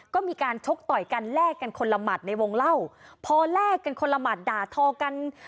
ก็มีการชกต่อยกันแลกกันคนละหมัดในวงเล่าพอแลกกันคนละหมัดด่าทอกัน